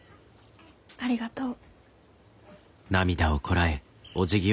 ありがとう。